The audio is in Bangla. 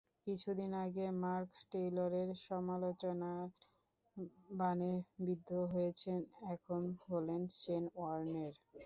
কিছুদিন আগে মার্ক টেলরের সমালোচনার বানে বিদ্ধ হয়েছেন, এখন হলেন শেন ওয়ার্নের।